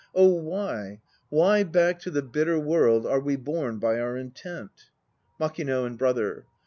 Oh why, Why back to the bitter World Are we borne by our intent? MAKING and BROTHER.